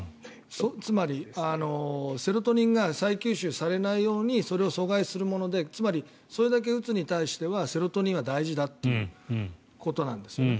つまりセロトニンが再吸収されないようにそれが阻害されるものでつまり、それだけうつに対してはセロトニンは大事だということなんですよね。